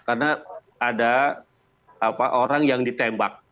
karena ada orang yang ditembak gitu